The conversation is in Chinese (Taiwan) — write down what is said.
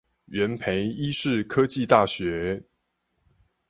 元培醫事科技大學